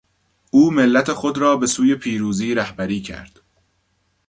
او ملت خود را به سوی پیروزی رهبری کرد.